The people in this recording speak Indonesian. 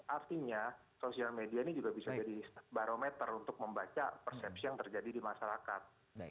artinya sosial media ini juga bisa jadi barometer untuk membaca persepsi yang terjadi di masyarakat